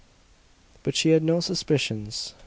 But she had no suspicions.